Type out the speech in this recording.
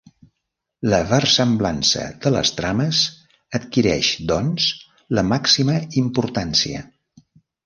La versemblança de les trames adquireix doncs la màxima importància.